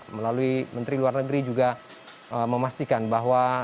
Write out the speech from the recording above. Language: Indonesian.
melalui menteri luar negeri juga memastikan bahwa